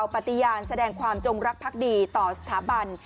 ปฏิญาณแสดงความจงรักภักดีต่อสถาบัน